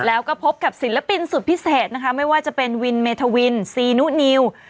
แล้วก็พบกับศิลปินสุดพิเศษนะคะไม่ว่าจะเป็นวินเมธวินซีนุนิว